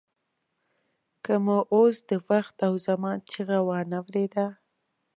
که مو اوس د وخت او زمان چیغه وانه ورېده.